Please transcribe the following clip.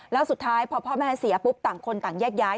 แล้วสุดท้ายพอพ่อแม่เสียปุ๊บต่างคนต่างแยกย้าย